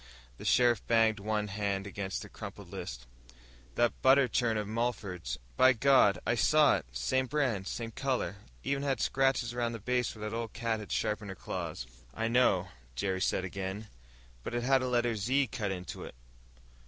The sheriff banged one big hand against the crumpled list. "That butter churn of Mulford's. By God, I saw it! Same brand, same color. Even had scratches around the base where that old cat of his sharpened her claws." "I know," Jerry said again. "But it had a letter 'Z' cut into it.